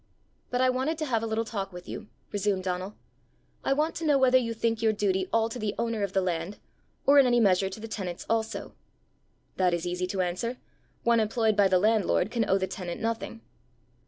"But I wanted to have a little talk with you," resumed Donal. "I want to know whether you think your duty all to the owner of the land, or in any measure to the tenants also." "That is easy to answer: one employed by the landlord can owe the tenant nothing."